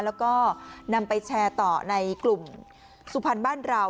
แล้วก็นำไปแชร์ต่อในกลุ่มสุพรรณบ้านเรา